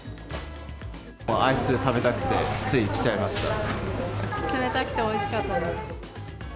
アイス食べたくて、つい来ち冷たくておいしかったです。